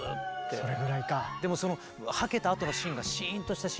それぐらいか。